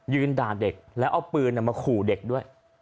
ด่าเด็กแล้วเอาปืนมาขู่เด็กด้วย